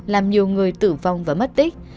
làm nhiều người tử vong và mất tích